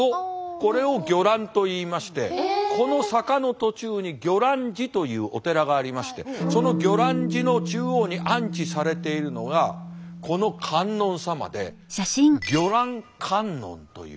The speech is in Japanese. これを魚籃といいましてこの坂の途中に魚籃寺というお寺がありましてその魚籃寺の中央に安置されているのがこの観音様で魚籃観音という。